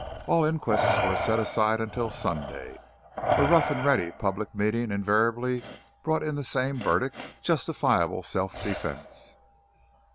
All inquests were set aside until Sunday. A rough and ready public meeting invariably brought in the same verdict "justifiable self defence."